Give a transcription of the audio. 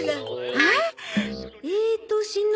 あっ。